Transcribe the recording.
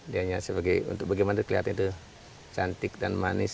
dia hanya sebagai untuk bagaimana kelihatan itu cantik dan manis